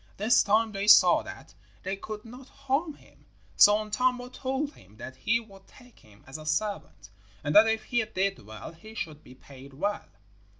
This time they saw that they could not harm him, so Untamo told him that he would take him as a servant, and that if he did well he should be paid well.